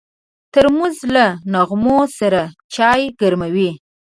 ترموز له نغمو سره چای ګرموي.